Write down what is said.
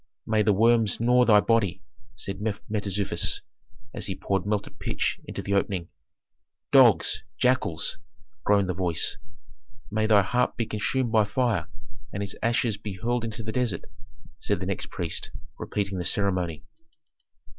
"May the worms gnaw thy body," said Mentezufis, as he poured melted pitch into the opening. "Dogs jackals!" groaned the voice. "May thy heart be consumed by fire and its ashes be hurled into the desert," said the next priest, repeating the ceremony.